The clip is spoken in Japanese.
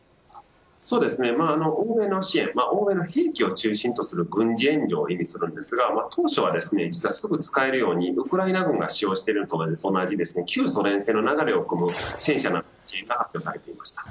欧米の地域を中心とする軍事援助を意味するんですが当初はすぐ使えるようにウクライナ軍が使用しているのと同じ旧ソ連製の流れをくむ戦車などの支援が発表されていました。